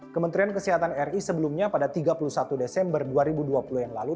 kementerian kesehatan ri sebelumnya pada tiga puluh satu desember dua ribu dua puluh yang lalu